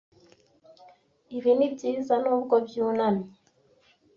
ibi nibyiza nubwo byunamye